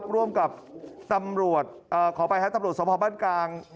ร่วมกับตำรวจขออภัยฮะตำรวจสมภาพบ้านกลาง